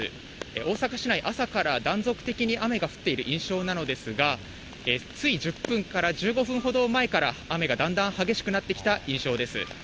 大阪市内、朝から断続的に雨が降っている印象なのですが、つい１０分から１５分ほど前から雨がだんだん激しくなってきた印象です。